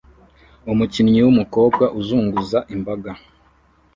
Umukinnyi wumukobwa uzunguza imbaga